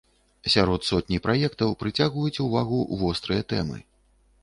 Сярод сотні праектаў прыцягваюць увагу вострыя тэмы.